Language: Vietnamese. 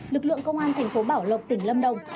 lực lượng công an tp bảo lộc tỉnh lâm đồng